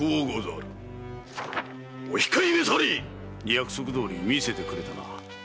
約束どおり見せてくれたな。